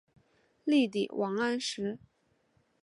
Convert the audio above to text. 力抵王安石。